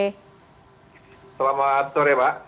selamat sore pak